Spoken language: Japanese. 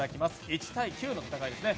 １対９の戦いですね。